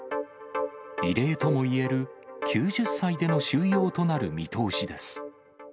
異例ともいえる、９０歳での収容となる見通しです。